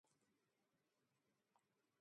El bou vell sempre a la rega.